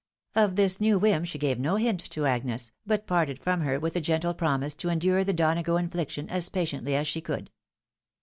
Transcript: Of this new whim she gave no hint to Agnes, but parted from her with a gentle promise to endure the Donago infliction as patiently as she could.